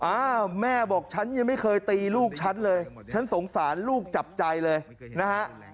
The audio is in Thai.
อ้าวแม่บอกฉันยังไม่เคยตีลูกฉันเลยฉันสงสารลูกจับใจเลยนะฮะ